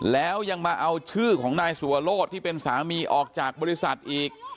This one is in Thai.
แล้วยังมาเอาชื่อของนายสุวรสที่เป็นสามีออกจากบริษัทอีก